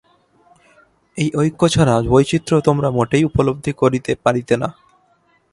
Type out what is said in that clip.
এই ঐক্য ছাড়া বৈচিত্র্য তোমরা মোটেই উপলব্ধি করিতে পারিতে না।